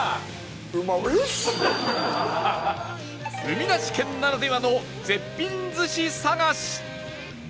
海なし県ならではの絶品寿司探し